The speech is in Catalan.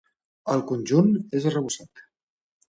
El conjunt és arrebossat.